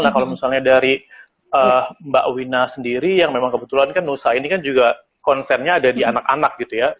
nah kalau misalnya dari mbak wina sendiri yang memang kebetulan kan nusa ini kan juga konsennya ada di anak anak gitu ya